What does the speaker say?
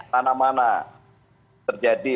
tanah mana terjadi